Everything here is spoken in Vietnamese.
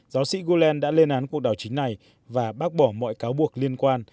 giáo sĩ gulen đã lên án cuộc đảo chính này và bác bỏ mọi cáo buộc liên quan